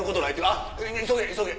あっ急げ急げ。